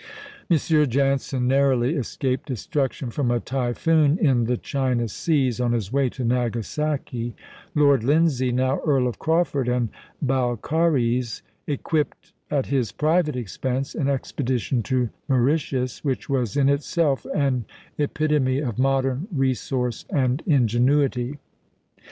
M. Janssen narrowly escaped destruction from a typhoon in the China seas on his way to Nagasaki; Lord Lindsay (now Earl of Crawford and Balcarres) equipped, at his private expense, an expedition to Mauritius, which was in itself an epitome of modern resource and ingenuity.